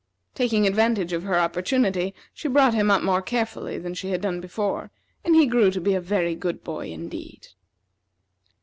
Taking advantage of her opportunity, she brought him up more carefully than she had done before; and he grew to be a very good boy indeed.